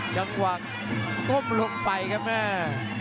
จังหวะก้มลงไปครับแม่